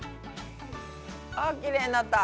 ああきれいになった。